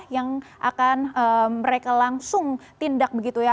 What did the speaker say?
yang akan mereka langsung tindak begitu ya